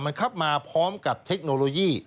มันครับมาพร้อมกับเทคโนโลยี